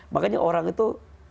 makanya orang itu